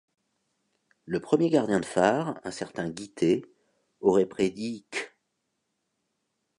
Le premier gardien de phare, un certain Guitté, aurait prédit qu'.